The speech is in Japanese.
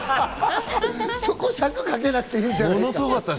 そこ、尺かけなくていいんじゃないかっていう。